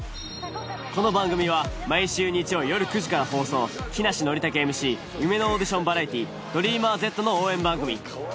この番組は毎週日曜よる９時から放送木梨憲武ＭＣ『夢のオーディションバラエティーＤｒｅａｍｅｒＺ』の応援番組。